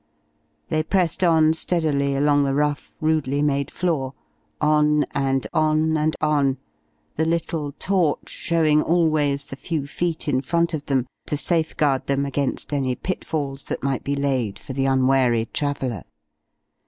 They pressed on steadily along the rough, rudely made floor, on and on and on, the little torch showing always the few feet in front of them, to safeguard them against any pitfalls that might be laid for the unwary traveller.